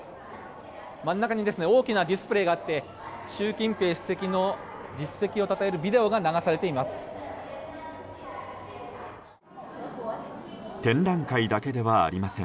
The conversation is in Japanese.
真ん中に大きなディスプレーがあって習近平主席の実績をたたえるビデオが流されています。